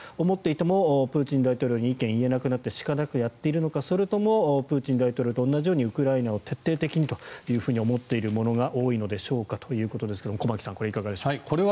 思っていてもプーチン大統領に意見を言えなくなって仕方がなくやっているのかそれともプーチン大統領と同じようにウクライナを徹底的にと思っている者が多いのでしょうかということですが駒木さん、いかがでしょうか。